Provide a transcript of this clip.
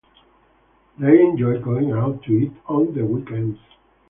They enjoy going out to eat on the weekends.